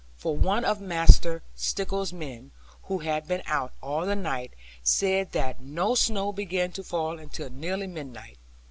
For one of Master Stickles' men, who had been out all the night, said that no snow began to fall until nearly midnight.